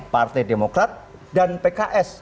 partai demokrat dan pks